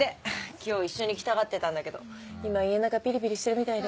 今日一緒に来たがってたんだけど今家の中ピリピリしてるみたいで。